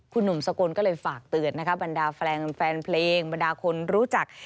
คุณหนุ่มสกลก็เลยฝากเตือนนะคะบรรดาแฟนเพลงบรรดาคนรู้จัก